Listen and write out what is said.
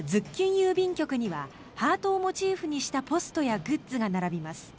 郵便局にはハートをモチーフにしたポストやグッズが並びます。